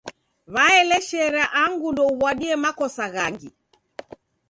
Waeleshere angu ndouw'adie makosa ghangi.